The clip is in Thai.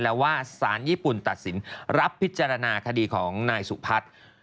แล้วว่าสารญี่ปุ่นตัดสินรับพิจารณาคดีของนายสุพัฒน์